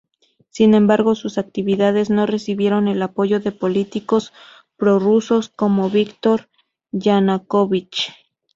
Sin embargo, sus actividades no recibieron el apoyo de políticos prorrusos como Víktor Yanukóvich.